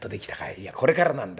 いやこれからなんだよな。